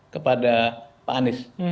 kepada pak anies